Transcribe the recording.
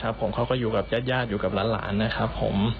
อยู่เยอะนะครับเขาก็อยู่กับญาติญาติอยู่กับล้านนะครับผม